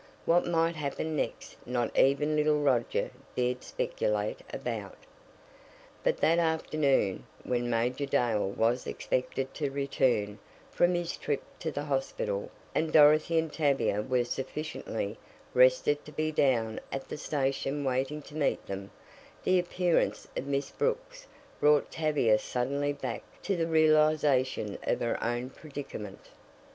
What might happen next not even little Roger dared speculate about. But that afternoon, when Major Dale was expected to return from his trip to the hospital, and Dorothy and Tavia were sufficiently rested to be down at the station waiting to meet them, the appearance of Miss Brooks brought Tavia suddenly back to the realization of her own predicament.